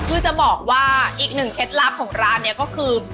คือจะบอกว่าอีกหนึ่งเคล็ดลับของร้านนี้ก็คือ